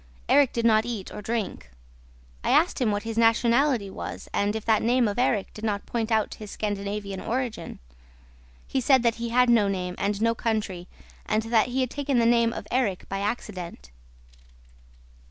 Erik did not eat or drink. I asked him what his nationality was and if that name of Erik did not point to his Scandinavian origin. He said that he had no name and no country and that he had taken the name of Erik by accident.